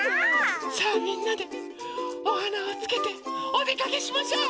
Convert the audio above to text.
さあみんなでおはなをつけておでかけしましょう！